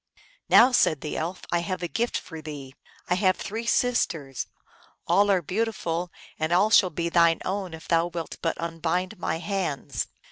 " Now," said the Elf, " I have a gift for thee. I have three sisters : all are beautiful, and all shall be thine own if thou wilt but unbind my hands."